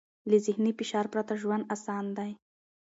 له ذهني فشار پرته ژوند اسان دی.